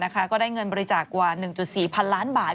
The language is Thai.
ก็ได้เงินบริจาคกว่า๑๔พันล้านบาท